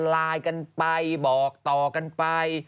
ไลน์กันไปบอกต่อกันไป